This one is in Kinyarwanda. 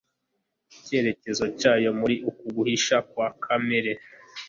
icyerekezo cyayo muri uku guhisha kwa kamere